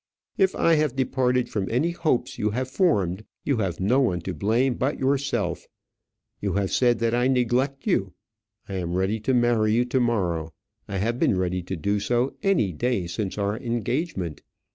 If I have departed from any hopes you had formed, you have no one to blame but yourself. You have said that I neglect you. I am ready to marry you to morrow; I have been ready to do so any day since our engagement.